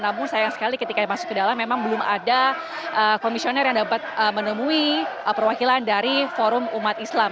namun sayang sekali ketika masuk ke dalam memang belum ada komisioner yang dapat menemui perwakilan dari forum umat islam